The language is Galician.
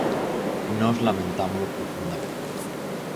Nós lamentámolo profundamente.